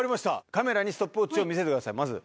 カメラにストップウオッチを見せてくださいまず。